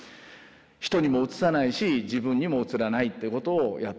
人にもうつさないし自分にもうつらないってことをやった。